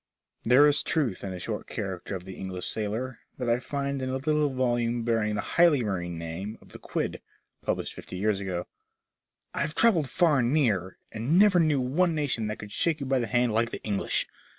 There is truth in a short character of the English sailor, that I find in a little volame bearing the highly marine name of "The Quid," published fifty years ago: *'I have travelled far and near, and never knew one nation that could shake you by the hand like the English.